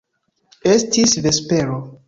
Estis vespero.